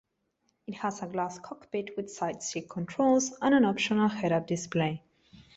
It has a glass cockpit with side-stick controls and an optional Head-up display.